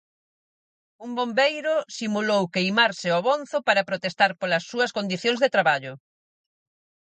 Un bombeiro simulou queimarse ao bonzo para protestar polas súas condicións de traballo.